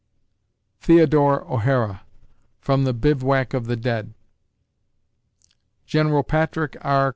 THEODORE O'HARA (From "The Bivouac of the Dead") _General Patrick R.